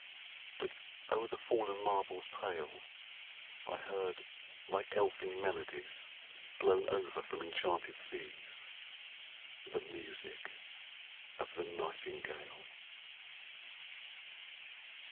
But o'er the fallen marbles pale I heard, like elfin melodies Blown over from enchanted seas, The music of the nightingale.